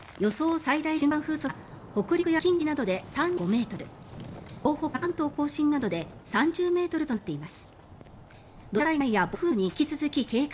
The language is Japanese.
最大瞬間風速は北陸や近畿などで３５ｍ東北や関東・甲信などで３０ｍとなっています。